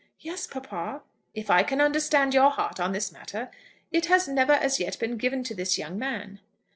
"Yes, papa." "If I can understand your heart on this matter, it has never as yet been given to this young man."